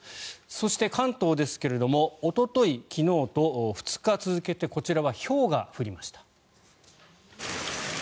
そして関東ですがおととい昨日と２日続けてこちらはひょうが降りました。